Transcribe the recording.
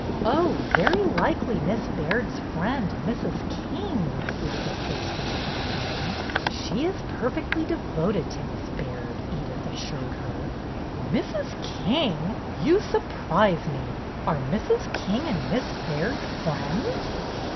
'' Oh, very likely Miss Baird's friend, Mrs. King, would see that the place was kept going. She is perfectly devoted to Miss Baird," Edyth assured her. ''Mrs. King! You surprise me! Are Mrs. King and Miss Baird friends?"